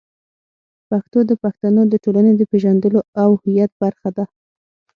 پښتو د پښتنو د ټولنې د پېژندلو او هویت برخه ده.